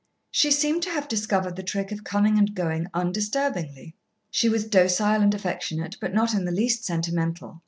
She seemed to have discovered the trick of coming and going undisturbingly. She was docile and affectionate, but not in the least sentimental.